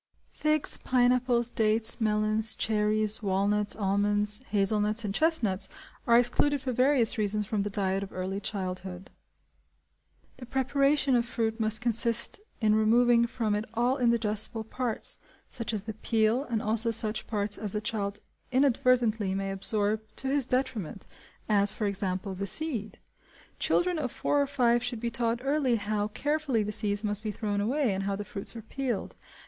Figs, pineapples, dates, melons, cherries, walnuts, almonds, hazelnuts, and chestnuts, are excluded for various reasons from the diet of early childhood. The preparation of fruit must consist in removing from it all indigestible parts, such as the peel, and also such parts as the child inadvertently may absorb to his detriment, as, for example, the seed. Children of four or five should be taught early how carefully the seeds must be thrown away and how the fruits are peeled.